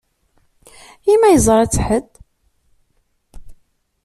I ma yeẓṛa-t ḥedd?